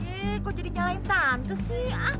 eh kok jadi nyalain tante sih ah